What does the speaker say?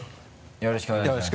よろしくお願いします。